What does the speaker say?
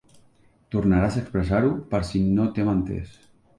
Tornaràs a expressar-ho per si no t'hem entés.